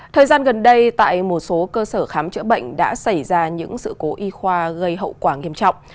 thời gian gần đây tại một số cơ sở khám chữa bệnh đã xảy ra những sự cố y khoa gây hậu quả nghiêm trọng